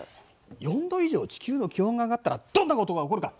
４度以上地球の気温が上がったらどんなことが起こるか。